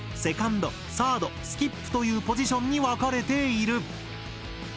セカンドサードスキップというポジションに分かれている。